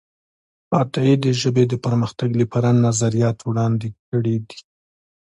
عطايي د ژبې د پرمختګ لپاره نظریات وړاندې کړي دي.